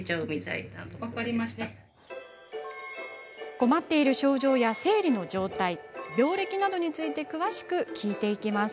困っている症状や、生理の状態病歴などについて詳しく聞いていきます。